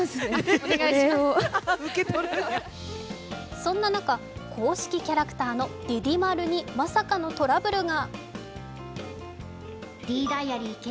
そんな中、公式キャラクターのディディ丸にまさかのトラブルが。